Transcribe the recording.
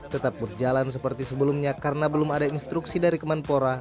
tetap berjalan seperti sebelumnya karena belum ada instruksi dari kemenpora